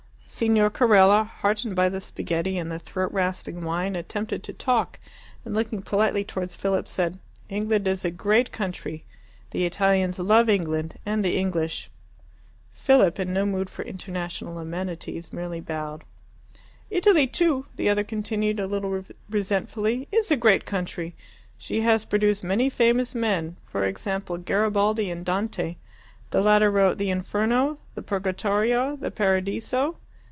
Signor Carella, heartened by the spaghetti and the throat rasping wine, attempted to talk, and, looking politely towards Philip, said, "England is a great country. The Italians love England and the English." Philip, in no mood for international amenities, merely bowed. "Italy too," the other continued a little resentfully, "is a great country. She has produced many famous men for example Garibaldi and Dante. The latter wrote the 'Inferno,' the 'Purgatorio,' the 'Paradiso.